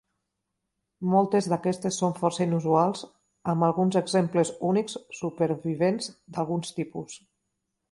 Moltes d'aquestes són força inusuals, amb alguns exemples únics supervivents d'alguns tipus.